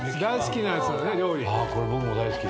これ僕も大好き。